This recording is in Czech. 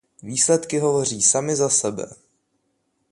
Výsledky hovoří samy za sebe.